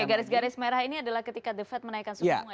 oke garis garis merah ini adalah ketika the fed menaikkan suku bunga ya